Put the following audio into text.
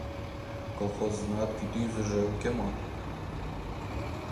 Колхозынат кӱтӱзыжӧ уке мо?